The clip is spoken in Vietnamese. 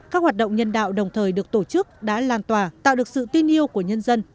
các hoạt động nhân đạo đồng thời được tổ chức đã lan tỏa tạo được sự tin yêu của nhân dân